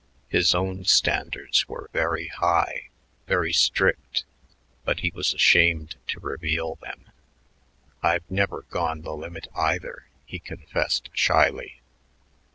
His own standards were very high, very strict, but he was ashamed to reveal them. "I've never gone the limit either," he confessed shyly.